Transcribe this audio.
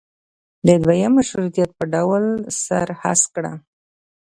د دویم مشروطیت په ډول سر هسک کړ.